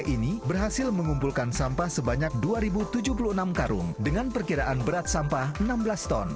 ini berhasil mengumpulkan sampah sebanyak dua tujuh puluh enam karung dengan perkiraan berat sampah enam belas ton